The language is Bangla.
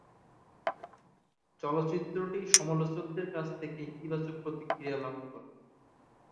চলচ্চিত্রটি সমালোচকদের কাছ থেকে ইতিবাচক প্রতিক্রিয়া লাভ করে।